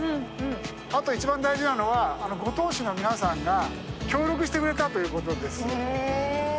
あと一番大事なのは五島市の皆さんが協力してくれたということです。